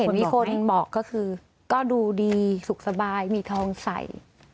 เท่าที่เห็นมีคนบอกก็คือก็ดูดีสุขสบายมีทองใส่